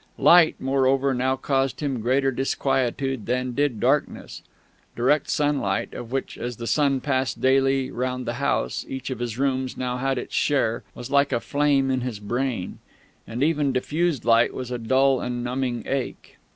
Light, moreover, now caused him greater disquietude than did darkness. Direct sunlight, of which, as the sun passed daily round the house, each of his rooms had now its share, was like a flame in his brain; and even diffused light was a dull and numbing ache.